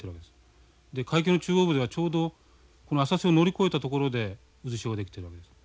海峡の中央部ではちょうどこの浅瀬を乗り越えた所で渦潮が出来てるわけです。